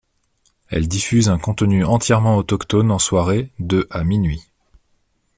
Elle diffuse un contenu entièrement autochtone en soirée, de à minuit.